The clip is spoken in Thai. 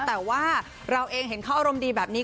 แต่ว่าเราเองเห็นเขาอารมณ์ดีแบบนี้